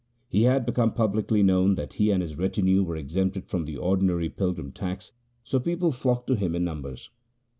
It had become publicly known that he and his retinue were exempted from the ordinary pilgrim tax, so people flocked to him in numbers.